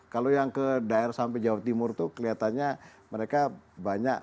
kalau yang ke daerah sampai jawa timur itu kelihatannya mereka juga sudah di jawa tengah kan